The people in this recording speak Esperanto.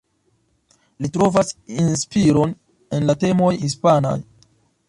Li trovas inspiron en la temoj hispanaj.